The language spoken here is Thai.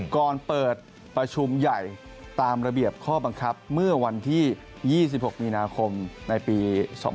ก่อนเปิดประชุมใหญ่ตามระเบียบข้อบังคับเมื่อวันที่๒๖มีนาคมในปี๒๕๖